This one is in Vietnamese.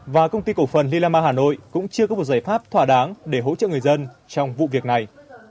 và công ty cổ phần lilama hà nội cũng chưa có một giải pháp thỏa đáng để hỗ trợ người dân trong vụ việc này